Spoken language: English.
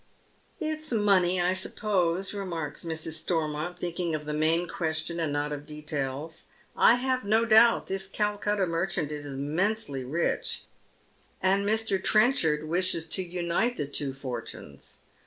" It's money I suppose," remarks Mrs. Stormont, thinking of the main question and not of details. " I have no doubt this Calcutta merchant is immensely rich, and Mr. Trenchard wishes to unite the two fortunes.